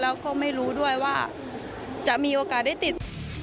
แล้วก็ไม่รู้ด้วยว่าจะมีโอกาสได้ติด